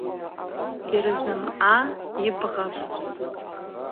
Йрызнамъа йыбгъапӏ.